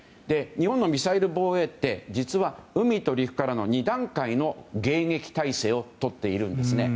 日本のミサイル防衛って海と陸からの２段階の迎撃体制をとっているんですね。